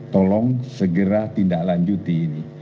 tolong segera tindak lanjuti ini